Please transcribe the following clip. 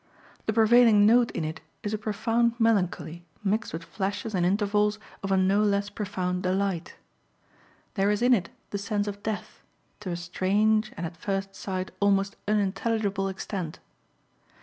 The prevailing note in it is a profound melancholy mixed with flashes and intervals of a no less profound delight. There is in it the sense of death, to a strange and, at first sight, almost unintelligible extent.